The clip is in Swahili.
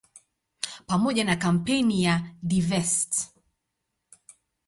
Pamoja na kampeni ya "Divest!